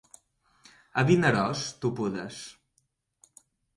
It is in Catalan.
A Vinaròs, topudes.